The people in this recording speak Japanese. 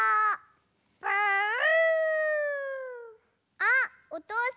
あっおとうさんぞうだ！